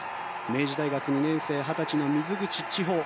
明治大学２年生二十歳の水口知保。